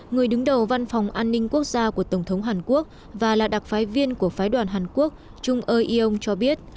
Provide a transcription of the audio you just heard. người đứng đầu văn phòng an ninh quốc gia của tổng thống hàn quốc và là đặc phái viên của phái đoàn hàn quốc trung ơi ion cho biết